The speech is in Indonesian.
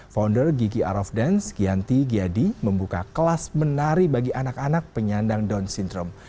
founder gigi ar of dance giyanti giyadi membuka kelas menari bagi anak anak penyandang down syndrome